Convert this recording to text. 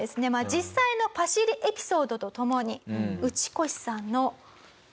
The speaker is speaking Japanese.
実際のパシリエピソードとともにウチコシさんの。